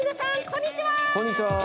こんにちは！